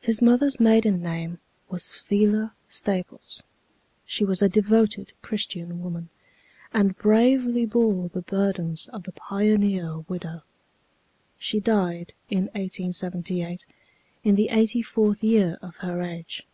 His mother's maiden name was Phila Staples. She was a devoted Christian woman, and bravely bore the burdens of the pioneer widow. She died in 1878, in the eighty fourth year of her age.